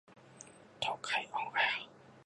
東海オンエア